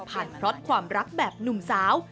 พล็อตความรักแบบหนุ่มสาว